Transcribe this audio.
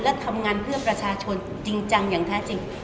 และทำงานเพื่อประชาชนจริงจังอย่างแท้จริง